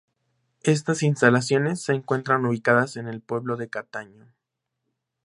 Estas instalaciones se encuentran ubicadas en el pueblo de Cataño.